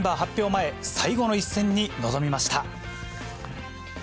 前、最後の一戦に臨みました。